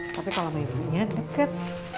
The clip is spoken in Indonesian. tapi kalau sama ibunya deket